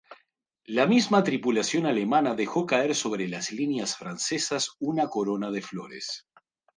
La misma tripulación alemana dejó caer sobre las líneas francesas una corona de flores.